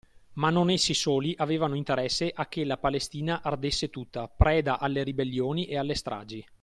Ma non essi soli avevano interesse a che la Palestina ardesse tutta, preda alle ribellioni e alle stragi.